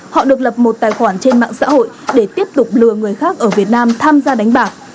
họ được lập một tài khoản trên mạng xã hội để tiếp tục lừa người khác ở việt nam tham gia đánh bạc